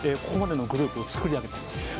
ここまでのグループをつくり上げたんです